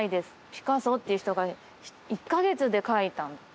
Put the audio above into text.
ピカソっていう人が１か月で描いたの。